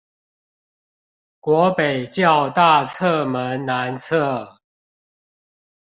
國北教大側門南側